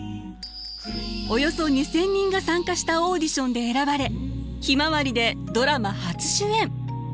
およそ２，０００人が参加したオーディションで選ばれ「ひまわり」でドラマ初主演。